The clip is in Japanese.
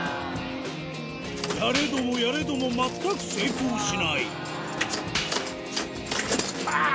やれどもやれども全く成功しないあぁ！